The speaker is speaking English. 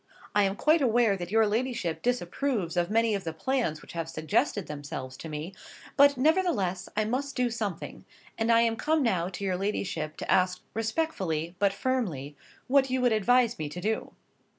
I am quite aware that your ladyship disapproves of many of the plans which have suggested themselves to me; but nevertheless I must do something, and I am come now to your ladyship to ask respectfully, but firmly, what you would advise me to do."